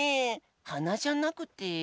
はなじゃなくて？